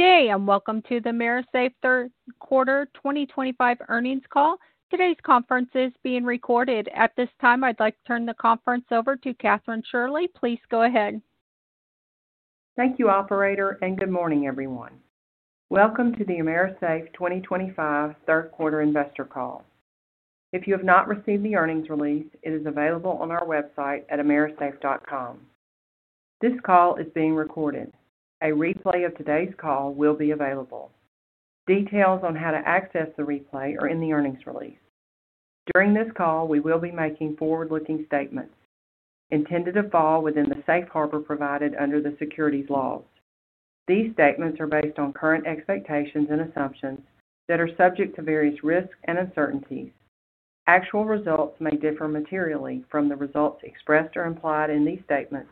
Good day and welcome to the AMERISAFE third quarter 2025 earnings call. Today's conference is being recorded. At this time, I'd like to turn the conference over to Kathryn Shirley. Please go ahead. Thank you, Operator, and good morning, everyone. Welcome to the AMERISAFE 2025 third quarter investor call. If you have not received the earnings release, it is available on our website at amerisafe.com. This call is being recorded. A replay of today's call will be available. Details on how to access the replay are in the earnings release. During this call, we will be making forward-looking statements intended to fall within the safe harbor provided under the securities laws. These statements are based on current expectations and assumptions that are subject to various risks and uncertainties. Actual results may differ materially from the results expressed or implied in these statements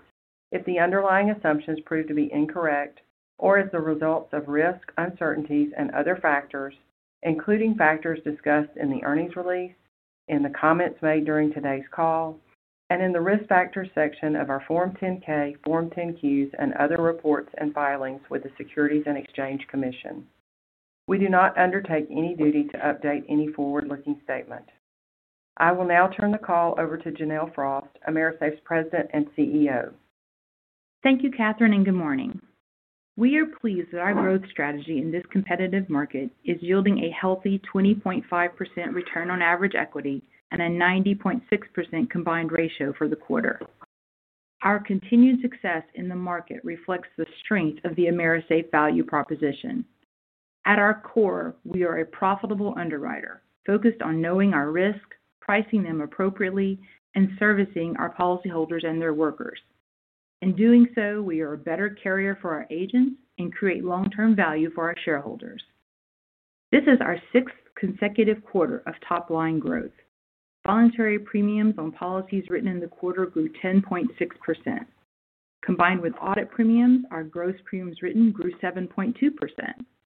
if the underlying assumptions prove to be incorrect or as the result of risks, uncertainties, and other factors, including factors discussed in the earnings release, in the comments made during today's call, and in the risk factors section of our Form 10-K, Form 10-Qs, and other reports and filings with the Securities and Exchange Commission. We do not undertake any duty to update any forward-looking statement. I will now turn the call over to Janelle Frost, AMERISAFE's President and CEO. Thank you, Kathryn, and good morning. We are pleased that our growth strategy in this competitive market is yielding a healthy 20.5% return on average equity and a 90.6% combined ratio for the quarter. Our continued success in the market reflects the strength of the AMERISAFE value proposition. At our core, we are a profitable underwriter focused on knowing our risks, pricing them appropriately, and servicing our policyholders and their workers. In doing so, we are a better carrier for our agents and create long term value for our shareholders. This is our sixth consecutive quarter of top line growth. Voluntary premiums on policies written in the quarter grew 10.6% combined with audit premiums. Our gross premiums written grew 7.2%,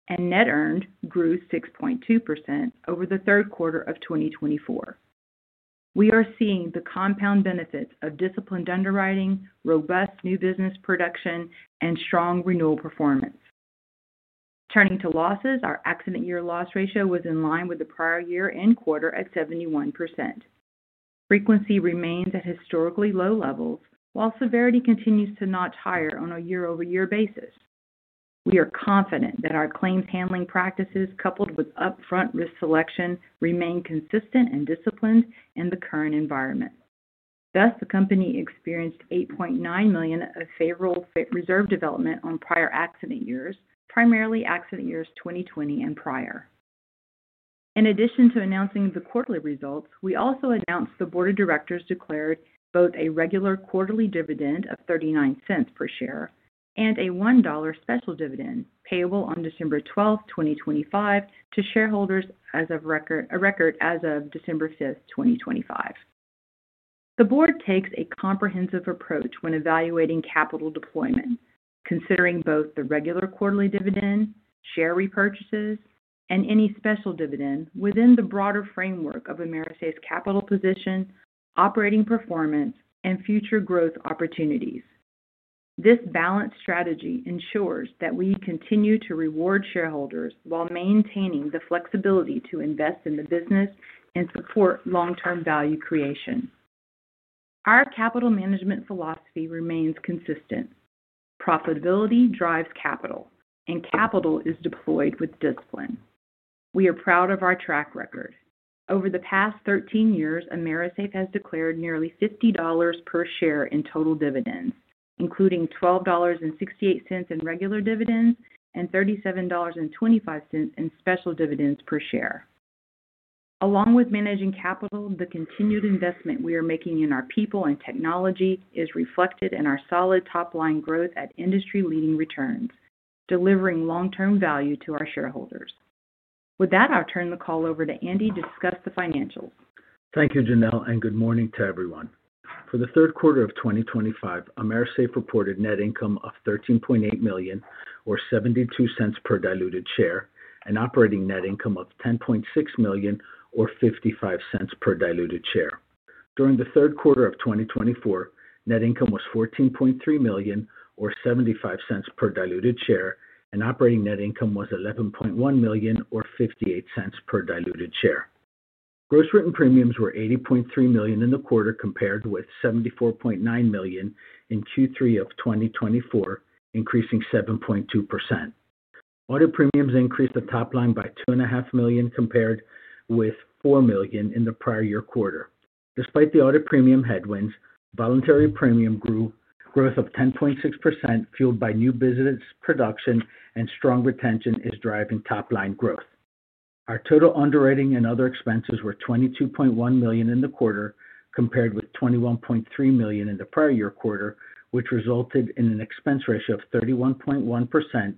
and net earned grew 6.2% over the third quarter of 2024. We are seeing the compound benefits of disciplined underwriting, robust new business production, and strong renewal performance. Turning to losses, our accident year loss ratio was in line with the prior year end quarter at 71%. Frequency remains at historically low levels, while severity continues to notch higher on a year-over-year basis. We are confident that our claims handling practices, coupled with upfront risk selection, remain consistent and disciplined in the current environment. Thus, the company experienced $8.9 million of favorable reserve development on prior accident years, primarily accident years 2020 and prior. In addition to announcing the quarterly results, we also announced the Board of Directors declared both a regular quarterly dividend of $0.39 per share and a $1 special dividend payable on December 12, 2025, to shareholders as of December 5, 2025. The Board takes a comprehensive approach when evaluating capital deployment, considering both the regular quarterly dividend, share repurchases, and any special dividend within the broader framework of AMERISAFE's capital position, operating performance, and future growth opportunities. This balanced strategy ensures that we continue to reward shareholders while maintaining the flexibility to invest in the business and support long term value creation. Our capital management philosophy remains consistent: profitability drives capital, and capital is deployed with discipline. We are proud of our track record. Over the past 13 years, AMERISAFE has declared nearly $50 per share in total dividends, including $12.68 in regular dividends and $37.25 in special dividends per share. Along with managing capital, the continued investment we are making in our people and technology is reflected in our solid top line growth at industry leading returns, delivering long term value to our shareholders. With that, I'll turn the call over to Andy to discuss the financials. Thank you Janelle and good morning to everyone. For the third quarter of 2025, AMERISAFE reported net income of $13.8 million or $0.72 per diluted share and operating net income of $10.6 million or $0.55 per diluted share. During the third quarter of 2024, net income was $14.3 million or $0.75 per diluted share and operating net income was $11.1 million or $0.58 per diluted share. Gross written premiums were $80.3 million in the quarter compared with $74.9 million in Q3 of 2024, increasing 7.2%. Audit premiums increased the top line by $2.5 million compared with $4 million in the prior year quarter. Despite the audit premium headwinds, voluntary premium grew. Growth of 10.6% fueled by new business production and strong retention is driving top line growth. Our total underwriting and other expenses were $22.1 million in the quarter compared with $21.3 million in the prior year quarter, which resulted in an expense ratio of 31.1%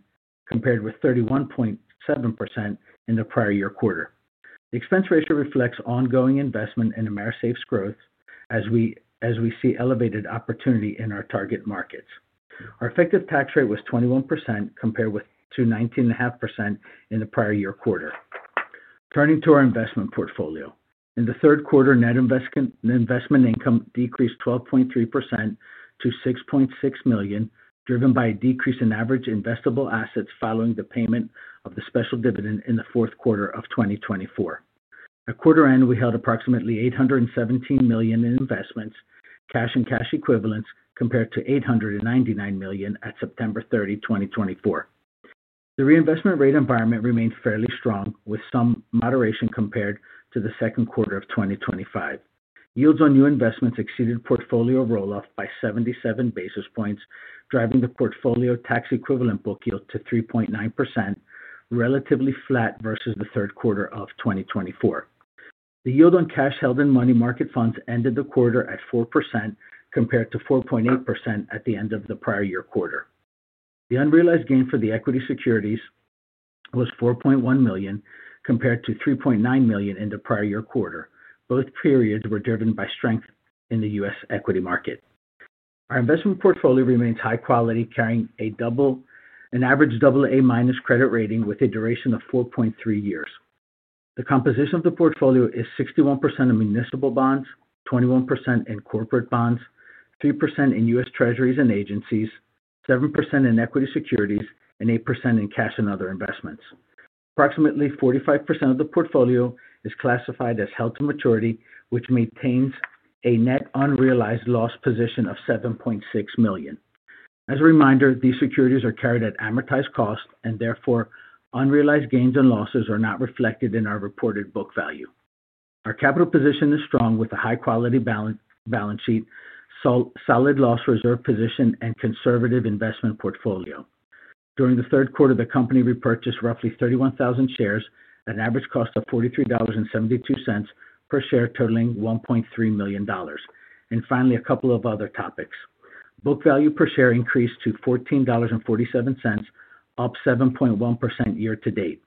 compared with 31.7% in the prior year quarter. The expense ratio reflects ongoing investment in AMERISAFE's growth as we see elevated opportunity in our target markets. Our effective tax rate was 21% compared to 19.5% in the prior year quarter. Turning to our investment portfolio, in the third quarter, net investment income decreased 12.3% to $6.6 million, driven by a decrease in average investable assets following the payment of the special dividend in the fourth quarter of 2024. At quarter end, we held approximately $817 million in investments, cash and cash equivalents compared to $899 million at September 30, 2024. The reinvestment rate environment remained fairly strong with some moderation. Compared to the second quarter of 2025, yields on new investments exceeded portfolio roll off by 77 basis points, driving the portfolio tax equivalent book yield to 3.9%, relatively flat versus the third quarter of 2024. The yield on cash held in money market funds ended the quarter at 4% compared to 4.8% at the end of the prior year quarter. The unrealized gain for the equity securities was $4.1 million compared to $3.9 million in the prior year quarter. Both periods were driven by strength in the U.S. equity market. Our investment portfolio remains high quality, carrying an average AA minus credit rating with a duration of 4.3 years. The composition of the portfolio is 61% in municipal bonds, 21% in corporate bonds, 3% in U.S. treasuries and agencies, 7% in equity securities and 8% in cash and other investments. Approximately 45% of the portfolio is classified as held to maturity, which maintains a net unrealized loss position of $7.6 million. As a reminder, these securities are carried at amortized cost and therefore unrealized gains and losses are not reflected in our reported book value. Our capital position is strong with a high quality balance sheet, solid loss reserve position, and conservative investment portfolio. During the third quarter, the company repurchased roughly 31,000 shares at an average cost of $43.72 per share, totaling $1.3 million. Finally, a couple of other topics. Book value per share increased to $14.47, up 7.1% year-to-date.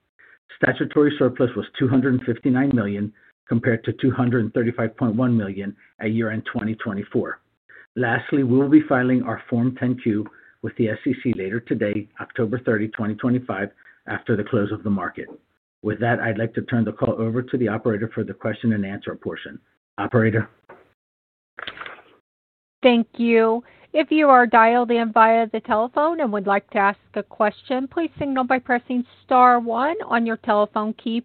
Statutory surplus was $259 million compared to $235.1 million at year end 2024. Lastly, we will be filing our Form 10-Q with the SEC later today, October 30, 2025, after the close of the market. With that, I'd like to turn the call over to the operator for the question-and-answer portion. Operator. Thank you. If you are dialed in via the telephone and would like to ask a question, please signal by pressing star one on your telephone key.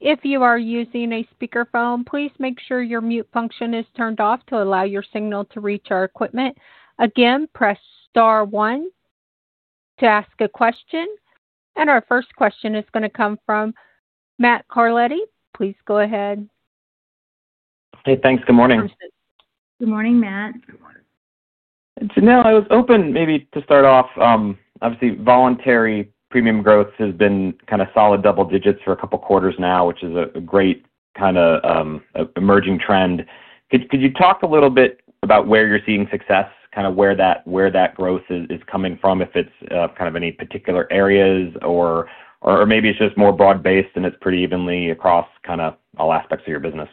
If you are using a speakerphone, please make sure your mute function is turned off to allow your signal to reach our equipment. Again, press star one to ask a question. Our first question is going to come from Matt Carletti. Please go ahead. Hey, thanks. Good morning. Good morning, Matt. Janelle, I was hoping maybe to start off. Obviously, voluntary premium growth has been kind of solid double digits for a couple quarters now, which is a great kind of emerging trend. Could you talk a little bit about where you're seeing success, where that growth is coming from, if it's any particular areas, or maybe it's just more broad based and it's pretty evenly across all aspects of your business.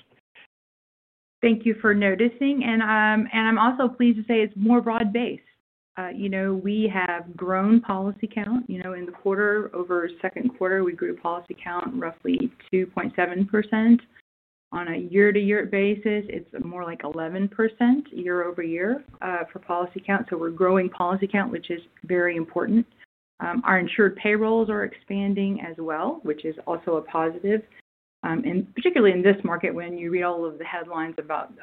Thank you for noticing. I'm also pleased to say it's more broad based. We have grown policy count; in the quarter over second quarter, we grew policy count roughly 2.7% on a year-to-year basis. It's more like 11% year-over-year for policy count. We're growing policy count, which is very important. Our insured payrolls are expanding as well, which is also a positive. Particularly in this market, when you read all of the headlines about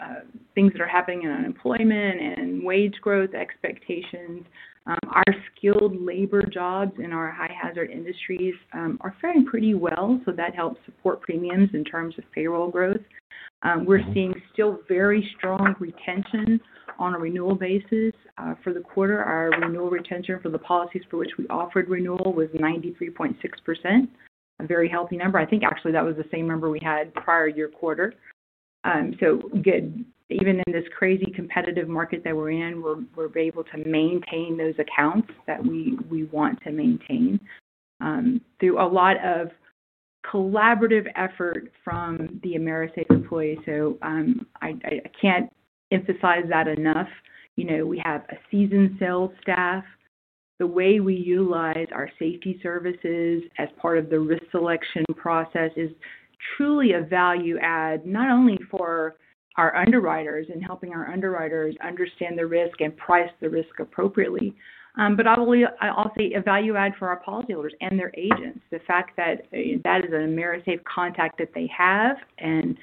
things that are happening in unemployment and wage growth expectations, our skilled labor jobs in our high hazard industries are faring pretty well. That helps support premiums. In terms of payroll growth, we're seeing still very strong retention on a renewal basis. For the quarter, our renewal retention for the policies for which we offered renewal was 93.6%, a very healthy number. I think actually that was the same number we had prior year quarter. Even in this crazy competitive market that we're in, we're able to maintain those accounts that we want to maintain through a lot of collaborative effort from the AMERISAFE employees. I can't emphasize that enough. We have a seasoned sales staff. The way we utilize our safety services as part of the risk selection process is truly a value add, not only for our underwriters and helping our underwriters understand the risk and price the risk appropriately, but also a value add for our policyholders and their agents. The fact that that is an AMERISAFE contact that they have and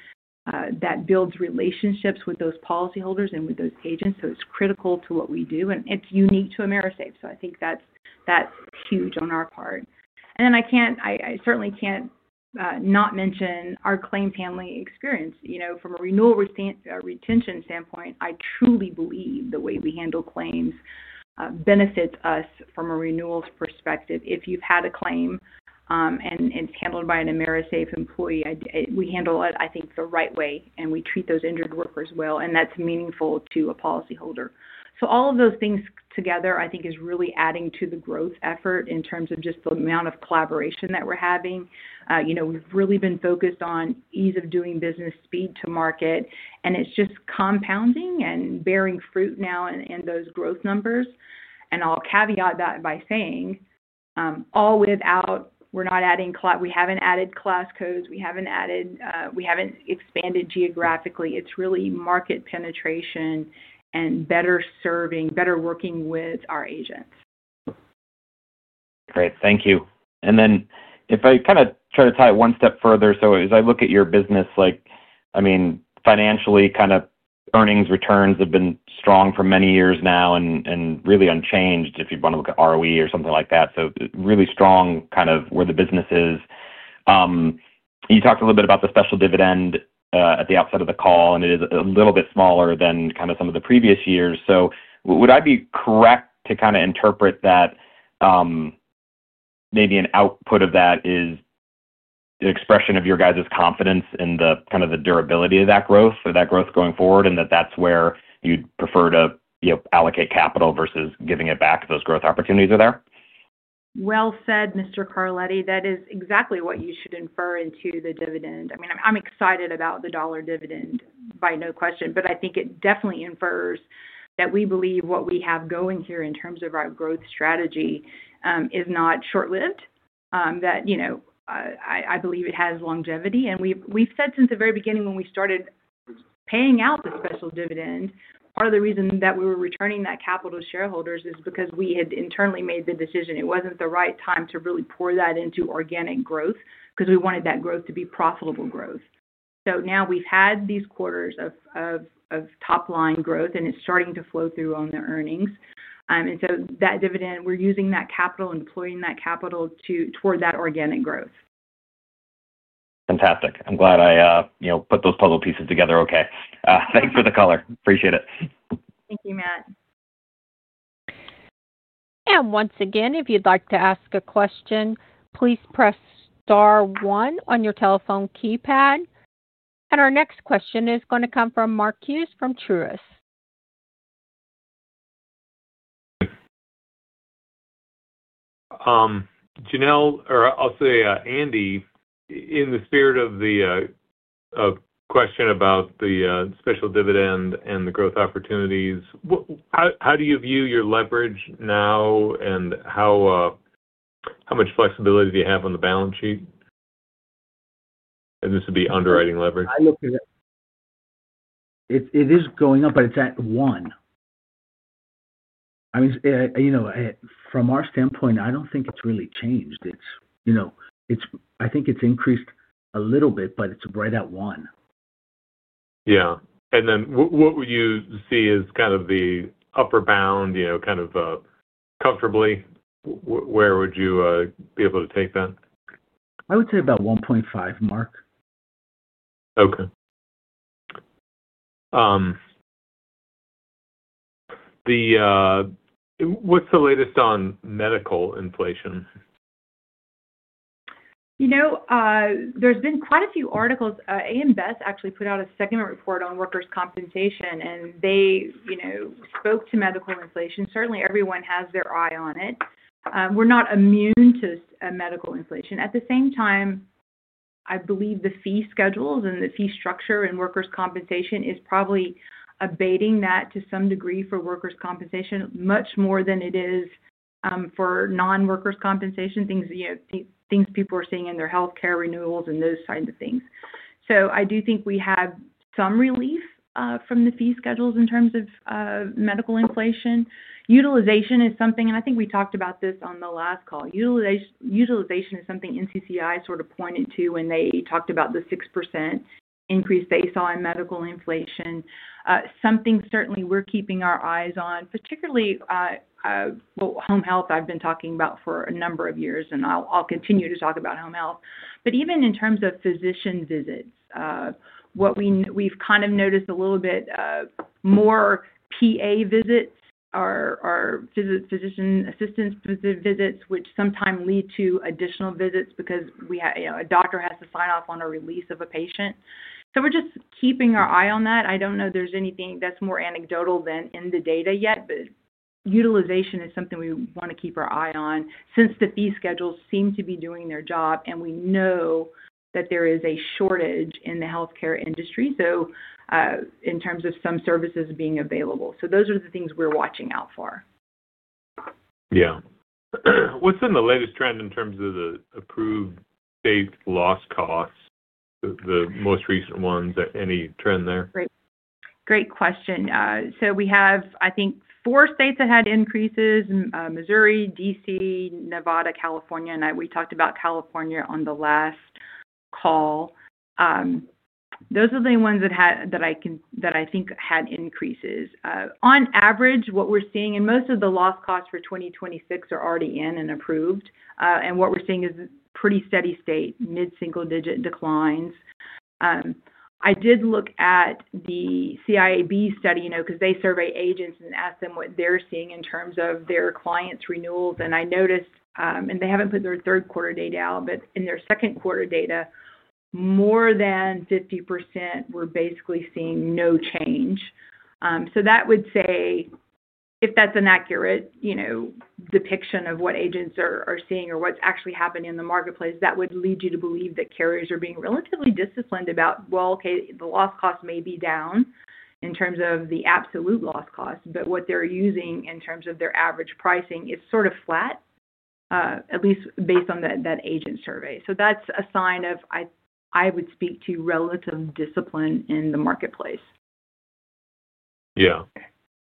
that builds relationships with those policyholders and with those agents is critical to what we do and it's unique to AMERISAFE. I think that's huge on our part. I certainly can't not mention our claim family experience. From a renewal retention standpoint, I truly believe the way we handle claims benefits us from a renewals perspective. If you've had a claim and it's handled by an AMERISAFE employee, we handle it the right way and we treat those injured workers well and that's meaningful to a policyholder. All of those things together I think is really adding to the growth effort in terms of just the amount of collaboration that we're having. We've really been focused on ease of doing business, speed to market, and it's just compounding and bearing fruit now in those growth numbers. I'll caveat that by saying all without—we're not adding, we haven't added class codes, we haven't expanded geographically. It's really market penetration and better serving, better working with our agents. Great, thank you. If I kind of try to tie it one step further, as I look at your business, financially, earnings returns have been strong for many years now and really unchanged if you want to look at ROE or something like that. Really strong, kind of the business. You talked a little bit about the special dividend at the outset of the call, and it is a little bit smaller than some of the previous years. Would I be correct to interpret that maybe an output of that is the expression of your confidence in the durability of that growth or that growth going forward, and that that's where you'd prefer to allocate capital versus giving it back? Those growth opportunities are there. Mr. Carletti, that is exactly what you should infer into the dividend. I'm excited about the $1 dividend, no question, but I think it definitely infers that we believe what we have going here in terms of our growth strategy is not short lived. I believe it has longevity. We've said since the very beginning when we started paying out the special dividend, part of the reason that we were returning that capital to shareholders is because we had internally made the decision it wasn't the right time to really pour that into organic growth because we wanted that growth to be profitable growth. Now we've had these quarters of top line growth and it's starting to flow through on the earnings, and that dividend, we're using that capital and deploying that capital toward that organic growth. Fantastic. I'm glad I put those puzzle pieces together. Okay, thanks for the color. Appreciate it. Thank you, Matt. If you'd like to ask a question, please press star one on your telephone keypad. Our next question is going to come from Marcus from Truist. Janelle, or I'll say Andy, in the spirit of the question about the special dividend and the growth opportunities, how do you view your leverage now, and how much flexibility do you have on the balance sheet? This would be underwriting leverage. It is going up, but it's at one. I mean, from our standpoint, I don't think it's really changed. It's, I think it's increased a little bit, but it's right at one. What would you see as kind of the upper bound, you know, kind of comfortably? Where would you be able to take that? I would say about $1.5 million. Okay, what's the latest on medical inflation? You know, there's been quite a few articles. AM Best actually put out a second report on workers' compensation insurance and they, you know, spoke to medical inflation. Certainly everyone has their eye on it. We're not immune to medical inflation. At the same time, I believe the fee schedules and the fee structure in workers' compensation insurance is probably abating that to some degree for workers' compensation insurance much more than it is for non workers' compensation insurance things, you know, things people are seeing in their healthcare renewals and those kinds of things. I do think we have some relief from the fee schedules. In terms of medical inflation, utilization is something, and I think we talked about this on the last call. Utilization is something NCCI sort of pointed to when they talked about the 6% increase they saw in medical inflation. Something certainly we're keeping our eyes on, particularly home health. I've been talking about for a number of years and I'll continue to talk about home health. Even in terms of physician visits, what we've kind of noticed is a little bit more PA visits, or physician assistant visits, which sometimes lead to additional visits because a doctor has to sign off on a release of a patient. We're just keeping our eye on that. I don't know there's anything that's more anecdotal than in the data yet, but utilization is something we want to keep our eye on since the fee schedules seem to be doing their job. We know that there is a shortage in the healthcare industry in terms of some services being available. Those are the things we're watching out for. Yeah, what's in the latest trend in terms of the approved state loss costs? The most recent ones. Any trend there? Great question. We have, I think, four states that had increases: Missouri, D.C., Nevada, California. We talked about California on the last call. Those are the ones that I think had increases. On average, what we're seeing, and most of the loss costs for 2026 are already in and approved, is pretty steady state mid single digit declines. I did look at the CIAB study, because they survey agents and ask them what they're seeing in terms of their clients' renewals. I noticed they haven't put their third quarter data out, but in their second quarter data, more than 50% were basically seeing no change. That would say if that's an accurate depiction of what agents are seeing or what's actually happening in the marketplace, that would lead you to believe that carriers are being relatively disciplined. The loss cost may be down in terms of the absolute loss cost, but what they're using in terms of their average pricing is sort of flat, at least based on that agent survey. That's a sign of, I would speak to, relative discipline in the marketplace.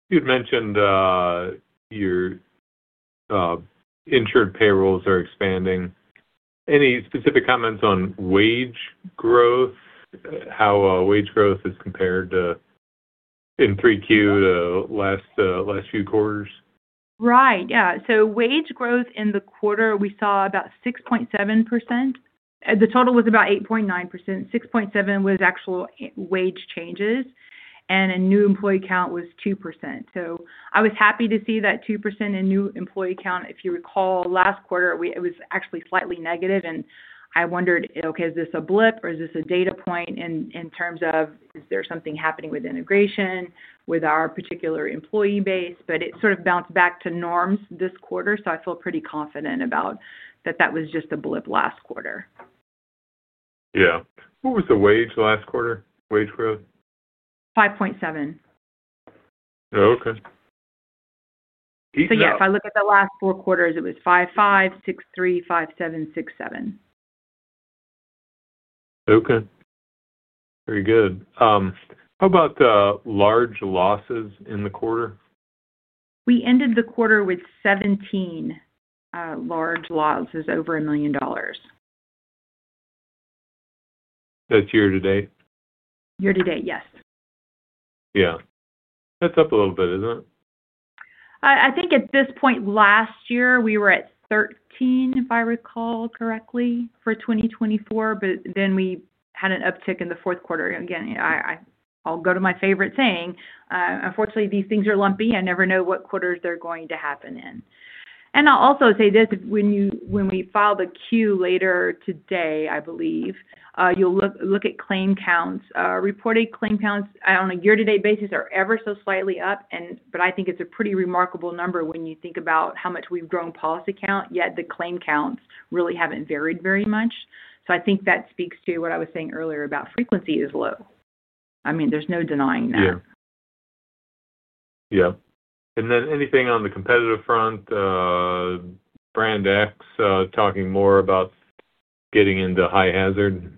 You'd mentioned your insured payrolls are expanding. Any specific comments on wage growth, how wage growth is compared in 3Q to last few quarters? Right, yeah. Wage growth in the quarter, we saw about 6.7%. The total was about 8.9%. 6.7% was actual wage changes and a new employee count was. I was happy to see that 2% in new employee count. If you recall, last quarter it was actually slightly negative. I wondered, okay, is this a blip or is this a data point in terms of is there something happening with integration with our particular employee base? It sort of bounced back to norms this quarter. I feel pretty confident about that. That was just a blip last quarter. What was the wage last quarter? Wage growth, 5.7%. Okay. If I look at the last four quarters, it was 5,563, 5,767. Okay, very good. How about the large losses in the quarter? We ended the quarter with 17 large losses, over $1 million. That's year-to-date. Year-to-date, yes. Yeah, that's up a little bit, isn't it? I think at this point last year we were at 13, if I recall correctly, for 2024, but then we had an uptick in the fourth quarter. I'll go to my favorite saying. Unfortunately, these things are lumpy. I never know what quarters they're going to happen in. I'll also say this: when we file the Q later today, I believe you'll look at claim counts. Reported claim counts on a year-to-date basis are ever so slightly up, but I think it's a pretty remarkable number when you think about how much we've grown policy count, yet the claim counts really haven't varied very much. I think that speaks to what I was saying earlier about frequency is low. I mean, there's no denying that. Yep. Anything on the competitive front, Brand X talking more about tax getting into high hazard?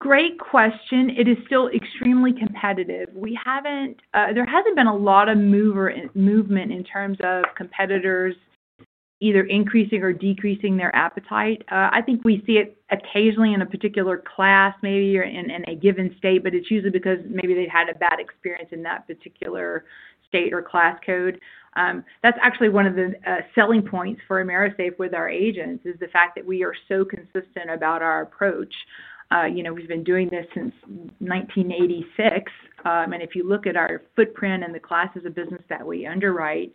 Great question. It is still extremely competitive. There hasn't been a lot of movement in terms of competitors either increasing or decreasing their appetite. I think we see it occasionally in a particular class, maybe, or in a given state, but it's usually because maybe they had a bad experience in that particular state or class code. That's actually one of the selling points for AMERISAFE with our agents, the fact that we are so consistent about our approach. We've been doing this since 1986, and if you look at our footprint and the classes of business that we underwrite,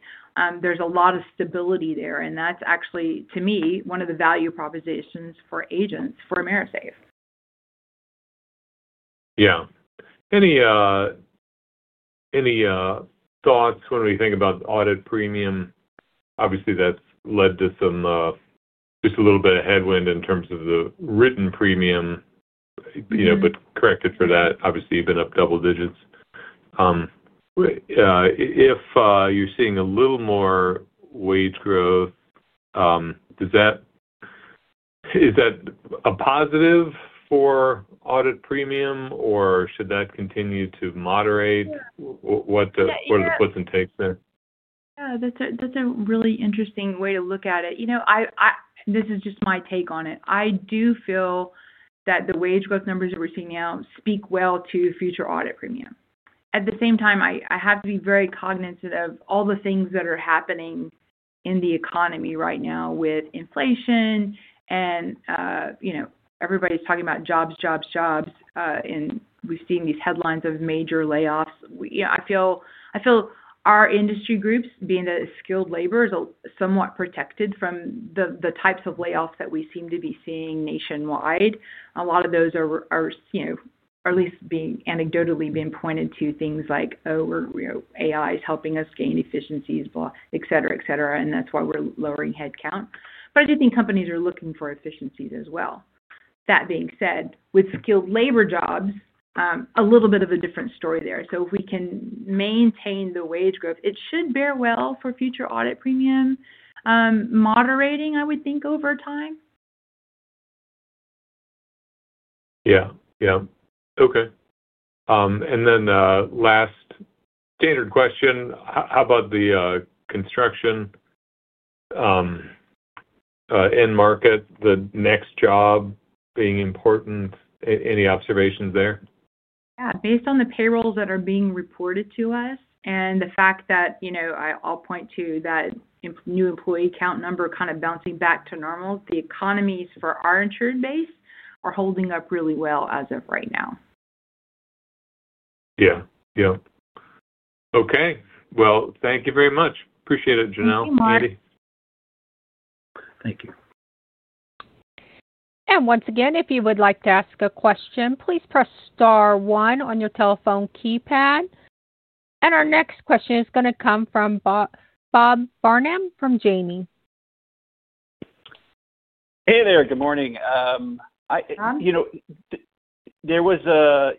there's a lot of stability there. That's actually, to me, one of the value propositions for agents for AMERISAFE. Any thoughts? When we think about audit premium, obviously that's led to some just a little bit of headwind in terms of the written premium, but corrected for that, obviously you've been up double digits. If you're seeing a little more wage growth, is that a positive for audit premium or should that continue to moderate? What are the puts and takes there? That's a really interesting way to look at it. You know, this is just my take on it. I do feel that the wage growth numbers that we're seeing now speak well to future audit premium. At the same time, I have to be very cognizant of all the things that are happening in the economy right now with inflation, and everybody's talking about jobs, jobs, jobs. We've seen these headlines of major layoffs. I feel our industry groups, being the skilled laborers, are somewhat protected from the types of layoffs that we seem to be seeing nationwide. A lot of those are at least anecdotally being pointed to things like, oh, AI is helping us gain efficiencies, et cetera, et cetera, and that's why we're lowering headcount. I do think companies are looking for efficiencies as well. That being said, with skilled labor jobs, it's a little bit of a different story there. If we can maintain the wage growth, it should bear well for future audit premium moderating, I would think, over time. Okay. Last standard question. How about the construction end market? The next job being important. Any observations there? Yeah, based on the payrolls that are being reported to us and the fact that, you know, I'll point to that new employee count number kind of bouncing back to normal, the economies for our insured base are holding up really well as of right now. Yeah. Okay. Thank you very much. Appreciate it, Janelle. Thank you. If you would like to ask a question, please press star one on your telephone keypad. Our next question is going to come from Bob Barnum from Janney. Hey there. Good morning. There was a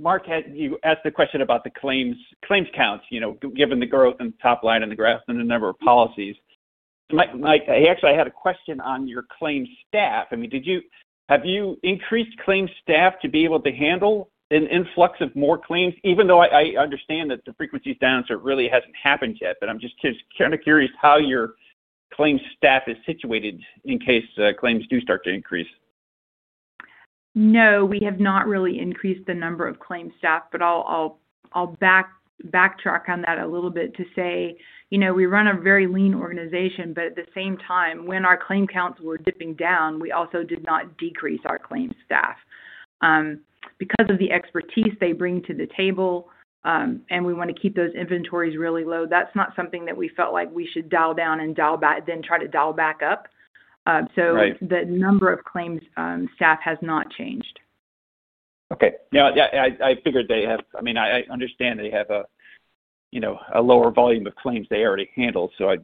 mark. Had you asked the question about the claims, claims counts, given the growth and top line in the graph and the number of policies. Mike, he actually had a question on your claim staff. Did you have you increased claims staff to be able to handle an influx of more claims, even though I understand that the frequency is down, so it really hasn't happened yet. I'm just kind of curious how your claim staff is situated in case claims do start to increase? No, we have not really increased the number of claim staff. I'll backtrack on that a little bit to say, you know, we run a very lean organization, but at the same time, when our claim counts were dipping down, we also did not decrease our claim staff because of the expertise they bring to the table. We want to keep those inventories really low. That's not something that we felt like we should dial down and dial back, then try to dial back up. The number of claims staff has not changed. Okay. Yeah, I figured they have. I understand they have a lower volume of claims they already handled, so I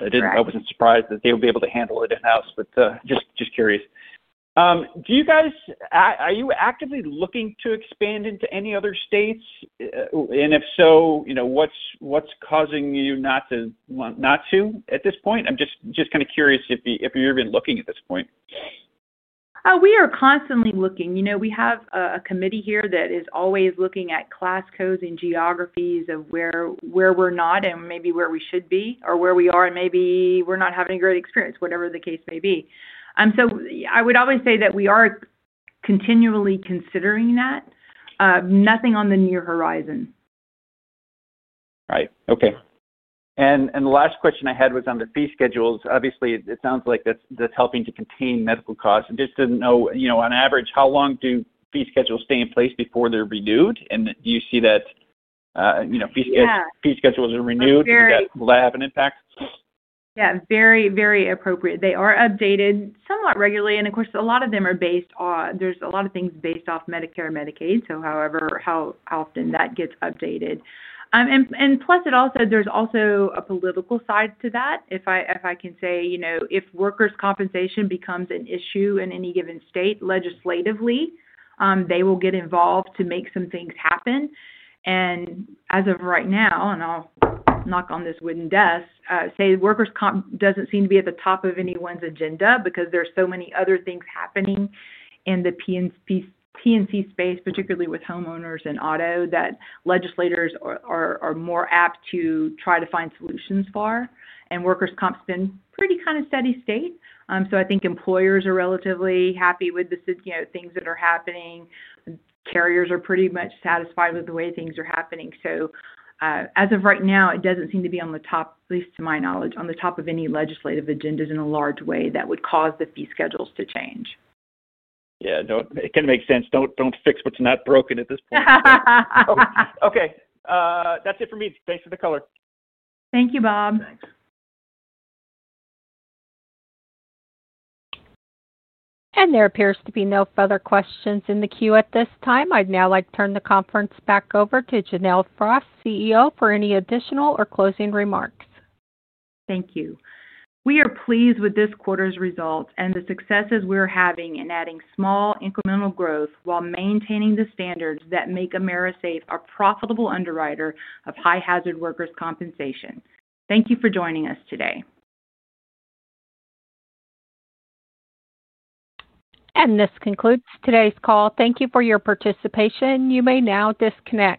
wasn't surprised that they would be able to handle it in house. Just curious, are you actively looking to expand into any other states? If so, what's causing you not to at this point? I'm just kind of curious if you're even looking at this point. We are constantly looking. We have a committee here that is always looking at class codes and geographies of where we're not and maybe where we should be or where we are and maybe we're not having a great experience, whatever the case may be. I would always say that we are continually considering that, nothing on the near horizon. Right. Okay. The last question I had was on the fee schedules. Obviously, it sounds like that's helping to contain medical costs. Just to know, on average, how long do fee schedules stay in place before they're renewed, and do you see that, you know, fee schedules are renewed, will that have an impact? Yeah, very, very appropriate. They are updated somewhat regularly, and of course, a lot of them are based on, there's a lot of things based off Medicare, Medicaid. However, how often that gets updated, plus there is also a political side to that. If I can say, you know, if workers' compensation becomes an issue in any given state legislatively, they will get involved to make some things happen. As of right now, and I'll knock on this wooden desk, workers' comp doesn't seem to be at the top of anyone's agenda because there are so many other things happening in the P&C space, particularly with homeowners and auto, that legislators are more apt to try to find solutions for. Workers' comp has been pretty kind of steady state. I think employers are relatively happy with the things that are happening. Carriers are pretty much satisfied with the way things are happening. As of right now, it doesn't seem to be on the top, at least to my knowledge, of any legislative agendas in a large way that would cause the fee schedules to change. Yeah, it can make sense. Don't fix what's not broken at this point. Okay, that's it for me. Thanks for the color. Thank you, Bob. There appears to be no further questions in the queue at this time. I'd now like to turn the conference back over to Janelle Frost, CEO, for any additional or closing remarks. Thank you. We are pleased with this quarter's results and the successes we are having in adding small incremental growth while maintaining the standards that make AMERISAFE a profitable underwriter of high hazard workers' compensation. Thank you for joining us today. This concludes today's call. Thank you for your participation. You may now disconnect.